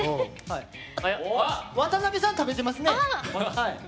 渡辺さん、食べてますね。